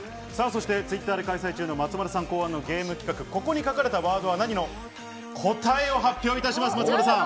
Ｔｗｉｔｔｅｒで開催中の松丸さん考案のゲーム企画「ここに書かれたワードは何？」の答えを発表いたします。